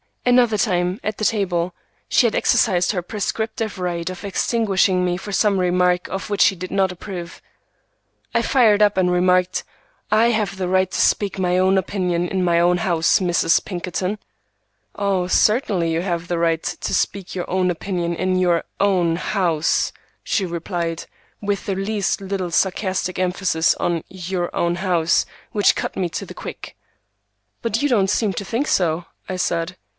Another time, at the table, she had exercised her prescriptive right of extinguishing me for some remark of which she did not approve. I fired up and remarked, "I have the right to speak my own opinion in my own house, Mrs. Pinkerton." "Certainly you have a right to speak your own opinion in your own house," she replied, with the least little sarcastic emphasis on "your own house," which cut me to the quick. "But you don't seem to think so," I said.